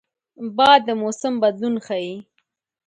باد د موسم بدلون ښيي